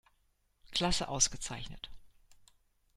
Klasse ausgezeichnet.